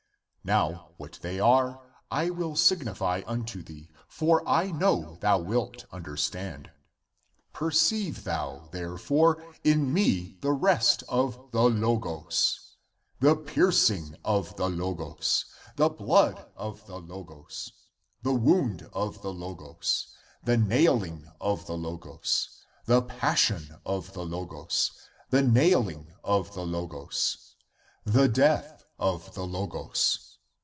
Now what they are I will signify unto thee, for I know thou wilt understand. Per ceive thou, therefore, in me the rest of the Logos, ACTS OF JOHN 187 the piercing of the Logos, the blood of the Logos, the wound of the Logos, the naiHng of the Logos, the passion of the Logos, the naihng of the Logos, the death of the Logos.